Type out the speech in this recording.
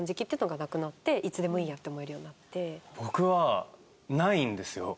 僕はないんですよ